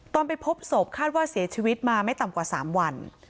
ไปพบศพคาดว่าเสียชีวิตมาไม่ต่ำกว่า๓วัน